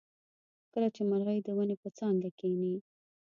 کله چې مرغۍ د ونې په څانګه کیني.